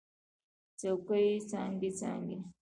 څوکې یې څانګې، څانګې